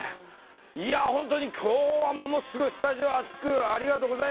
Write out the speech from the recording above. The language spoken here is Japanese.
いや本当に今日はものすごいスタジオ熱くありがとうございました。